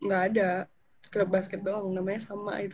gak ada klub basket doang namanya sama itu